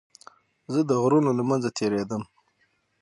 زه د غرونو له منځه تېرېدم.